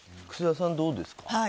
楠田さん、どうですか。